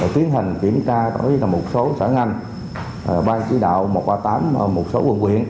tiến hành kiểm tra tổ chức là một số sở ngành ban chỉ đạo một trăm ba mươi tám một số quận quyện